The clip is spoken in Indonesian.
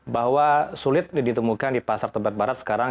bahwa sulit ditemukan di pasar tebet barat sekarang